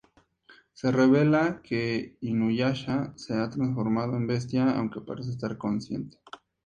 Se revela que InuYasha se ha transformado en bestia, aunque parece estar consciente.